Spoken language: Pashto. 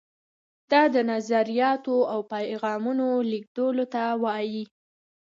دا د نظریاتو او پیغامونو لیږدولو ته وایي.